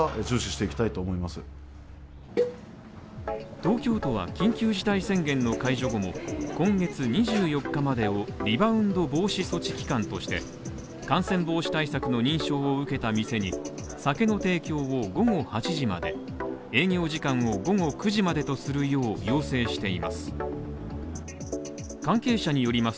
東京都は緊急事態宣言の解除後も今月２４日までをリバウンド防止措置期間として、感染防止対策の認証を受けた店に酒の提供を午後８時まで、営業時間を午後９時までとするよう要請しています。